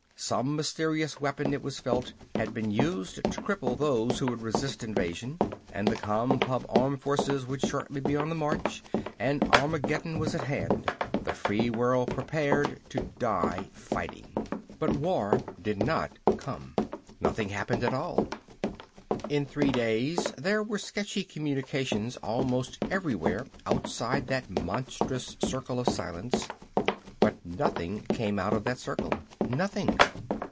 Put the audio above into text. Some mysterious weapon, it was felt, had been used to cripple those who would resist invasion, and the Compub armed forces would shortly be on the march, and Armageddon was at hand. The free world prepared to die fighting. But war did not come. Nothing happened at all. In three days there were sketchy communications almost everywhere outside that monstrous circle of silence. But nothing came out of that circle. Nothing.